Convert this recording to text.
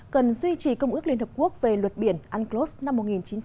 cần duy trì công ước liên hợp quốc về luật biển unclos năm một nghìn chín trăm tám mươi hai